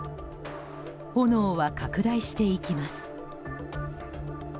炎は拡大していきます。